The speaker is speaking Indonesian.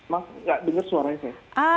mas nggak dengar suaranya sih